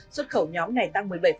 xuất khẩu nhóm này tăng một mươi bảy